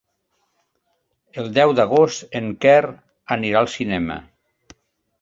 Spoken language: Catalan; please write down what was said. El deu d'agost en Quer anirà al cinema.